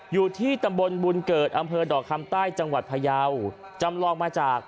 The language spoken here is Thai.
อยู่ที่ตำบลบุญเกิดอำเภอดอกคำใต้จังหวัดพยาวจำลองมาจาก